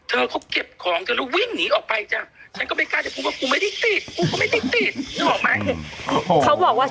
หนุ่มกัญชัยโทรมา